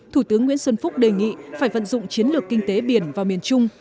thủ tướng nguyễn xuân phúc đề nghị phải vận dụng chiến lược kinh tế biển vào miền trung